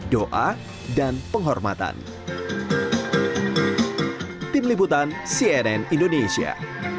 doa dan penghormatan tim liputan cnn indonesia